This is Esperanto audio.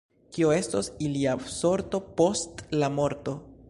Kio estos ilia sorto post la morto?